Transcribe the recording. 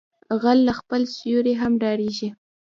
غل له خپل سيوري هم ډاریږي